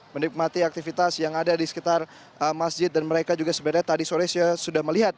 menikmati aktivitas yang ada di sekitar masjid dan mereka juga sebenarnya tadi sore sudah melihat